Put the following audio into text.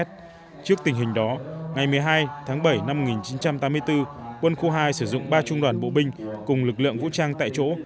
trước tình hình đó ngày một mươi hai tháng bảy năm một nghìn chín trăm tám mươi bốn quân khu hai sử dụng ba trung đoàn bộ binh cùng lực lượng vũ trang tại chỗ